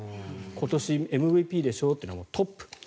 今年、ＭＶＰでしょっていうのでトップ。